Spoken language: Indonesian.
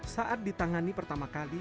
saat ditangani pertama kali